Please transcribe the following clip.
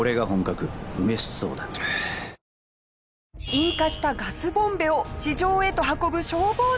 引火したガスボンベを地上へと運ぶ消防士。